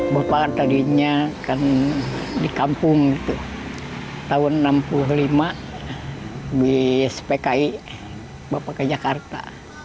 bapak tadinya kan di kampung tahun seribu sembilan ratus enam puluh lima di spki bapak ke jakarta